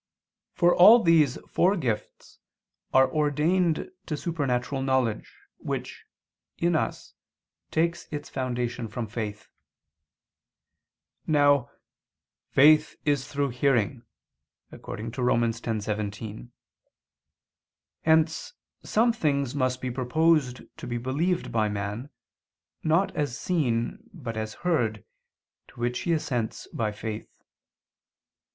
For all these four gifts are ordained to supernatural knowledge, which, in us, takes its foundation from faith. Now "faith is through hearing" (Rom. 10:17). Hence some things must be proposed to be believed by man, not as seen, but as heard, to which he assents by faith.